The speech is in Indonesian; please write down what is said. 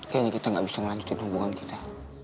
kayaknya kita gak bisa ngelanjutin hubungan kita